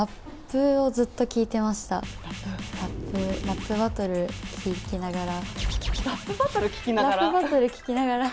ラップバトル聴きながら。